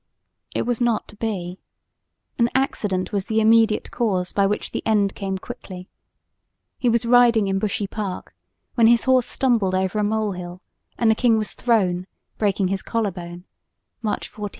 It was not to be; an accident was the immediate cause by which the end came quickly. He was riding in Bushey Park when his horse stumbled over a mole hill and the king was thrown, breaking his collar bone (March 14,1702).